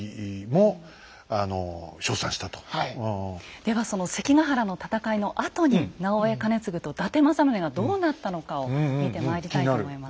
ではその関ヶ原の戦いのあとに直江兼続と伊達政宗がどうなったのかを見てまいりたいと思います。